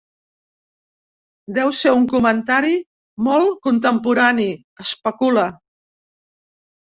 Deu ser un comentari molt contemporani, especula.